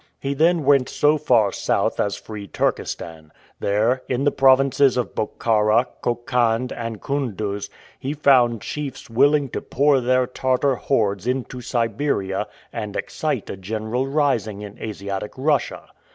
He then went so far south as free Turkestan; there, in the provinces of Bokhara, Khokhand, and Koondooz, he found chiefs willing to pour their Tartar hordes into Siberia, and excite a general rising in Asiatic Russia.